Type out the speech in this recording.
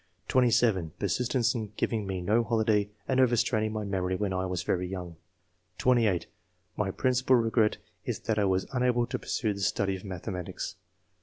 * (27) "Persistence in giving me no holiday, and overstraining my memory when I was very young," (28) "My principal regret is that I was un able to pursue the study of mathematics.